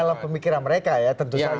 dalam pemikiran mereka ya tentu saja